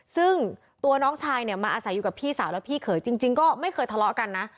ซึ่งตัวน้องชายเนี่ยมาอาศัยอยู่กับพี่สาวและพี่เขยจริงก็ไม่เคยทะเลาะกันนะ